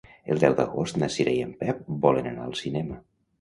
El deu d'agost na Cira i en Pep volen anar al cinema.